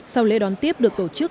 sau lễ đón tiếp được tổ chức